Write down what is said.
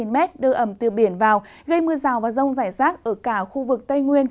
một năm trăm linh ba m đưa ẩm từ biển vào gây mưa rào và rông rải rác ở cả khu vực tây nguyên